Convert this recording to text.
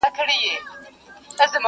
که نسيم الوزي اِېرې اوروي.!